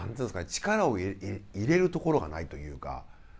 力を入れるところがないというか。